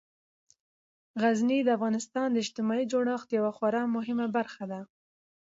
غزني د افغانستان د اجتماعي جوړښت یوه خورا مهمه برخه ده.